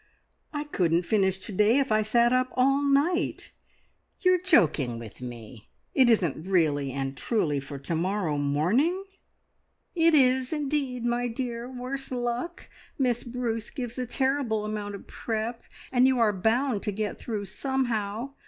I couldn't finish to day if I sat up all night! You're joking with me! It isn't really and truly for to morrow morning?" "It is indeed, my dear, worse luck! Miss Bruce gives a terrible amount of prep, and you are bound to get through somehow.